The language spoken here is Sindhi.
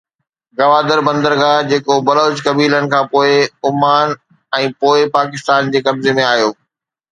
گوادر بندرگاهه جيڪو بلوچ قبيلن کان پوءِ عمان ۽ پوءِ پاڪستان جي قبضي ۾ آيو